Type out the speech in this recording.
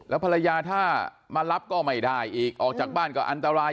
ภรรยาถ้ามารับก็ไม่ได้อีกออกจากบ้านก็อันตราย